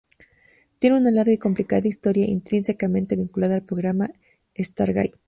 Tiene una larga y complicada historia intrínsecamente vinculada al Programa Stargate.